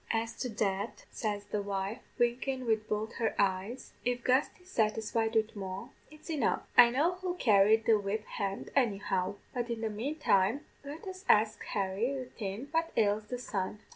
"'As to that,' says the wife, winkin' wid both her eyes, 'if Gusty's satisfied wid Moll, it's enough. I know who'll carry the whip hand, anyhow; but in the manetime let us ax Harry 'ithin what ails the sun.'